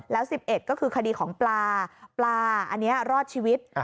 แล้ว๑๑ก็คือคดีของปลาปลาอันนี้รอดชีวิต